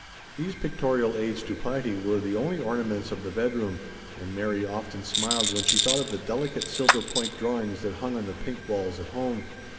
These pictorial aids to piety were the only ornaments of the bedroom, and Mary often smiled when she thought of the delicate silver point drawings that hung on the pink walls at home.